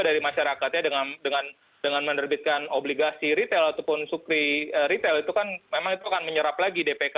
dari masyarakatnya dengan menerbitkan obligasi retail ataupun sukri retail itu kan memang itu akan menyerap lagi dpk